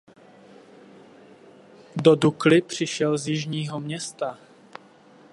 Do Dukly přišel z Jižního Města.